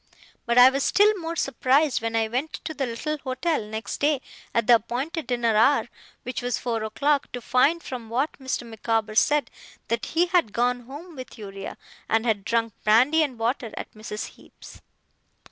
But I was still more surprised, when I went to the little hotel next day at the appointed dinner hour, which was four o'clock, to find, from what Mr. Micawber said, that he had gone home with Uriah, and had drunk brandy and water at Mrs. Heep's.